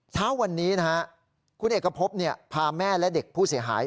เช้าวันนี้นะฮะคุณเอกพบพาแม่และเด็กผู้เสียหาย